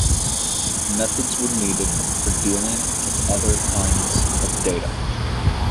Methods were needed for dealing with other kinds of data.